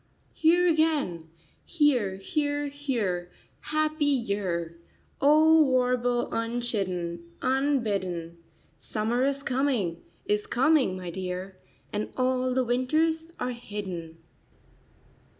"Here again, here, here, here, happy year!" O warble unchidden, unbidden ! Summer is coming, is coming, my dear, And all the winters are hidden.